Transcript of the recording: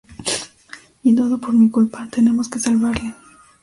Y todo por mi culpa. Tenemos que salvarle.